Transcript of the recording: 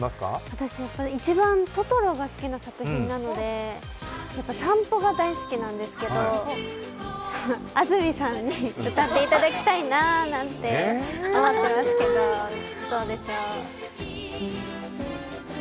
私一番「トトロ」が好きな作品なので「さんぽ」が大好きなんですけど安住さんに歌っていただきたいなーなんて思ってますけどどうでしょう。